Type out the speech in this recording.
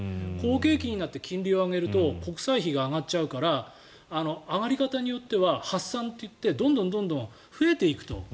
好景気になって金利を上げると国債費が上がっちゃうから上がり方によっては発散と言ってどんどん増えていくと。